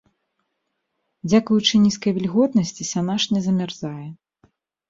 Дзякуючы нізкай вільготнасці, сянаж не замярзае.